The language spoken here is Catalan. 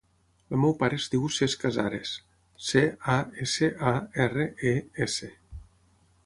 El meu pare es diu Cesc Casares: ce, a, essa, a, erra, e, essa.